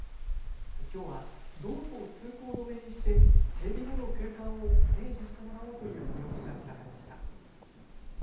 きょうは道路を通行止めにして整備後の空間をイメージしてもらおうという催しが開かれました。